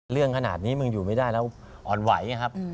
เรื่องขนาดนี้มึงอยู่ไม่ได้แล้วอ่อนไหวไงครับ